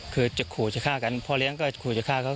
คือจะขู่จะฆ่ากันพ่อเลี้ยงก็ขู่จะฆ่าเขา